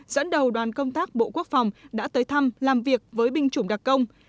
dẫn đầu đoàn công tác bộ quốc phòng đã tới thăm làm việc với binh chủng đặc công